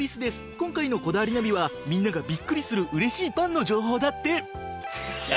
今回の『こだわりナビ』はみんながびっくりするうれしいパンの情報だって！